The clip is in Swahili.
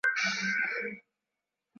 Sahihisha kazi yako.